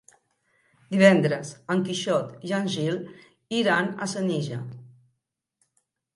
Divendres en Quixot i en Gil iran a Senija.